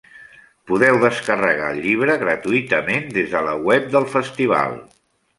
Podeu descarregar el llibre gratuïtament des de la web del festival.